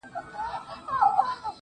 چي زموږ څه واخله دا خيرن لاســـــونه~